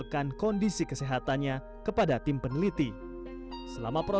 yang di depan tentara